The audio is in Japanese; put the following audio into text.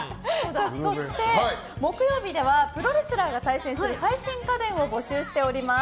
そして木曜日ではプロレスラーが対戦する最新家電を募集しております。